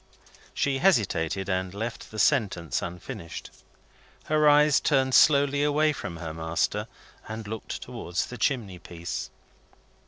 She hesitated, and left the sentence unfinished. Her eyes turned slowly away from her master, and looked towards the chimney piece.